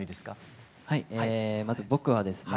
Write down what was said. まず僕はですね